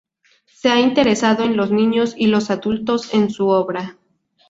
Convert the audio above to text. Se ha interesado en los niños y los adultos en su obra.